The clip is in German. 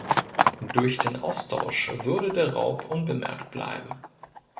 Durch den Austausch würde der Raub unbemerkt bleiben.